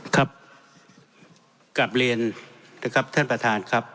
ครับกลับเรียนนะครับท่านประธานครับ